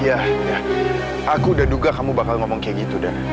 ya udah aku udah duga kamu bakal ngomong kayak gitu zah